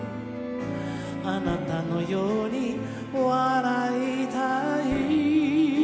「あなたのように笑いたい」